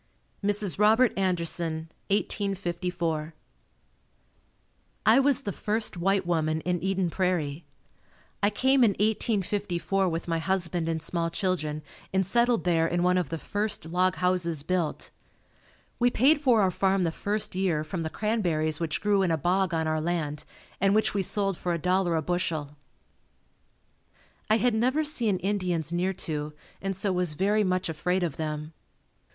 Mrs. Robert Anderson 1854. I was the first white woman in Eden Prairie. I came in 1854 with my husband and small children and settled there in one of the first log houses built. We paid for our farm the first year, from the cranberries which grew in a bog on our land and which we sold for $1.00 a bushel. I had never seen Indians near to, and so was very much afraid of them.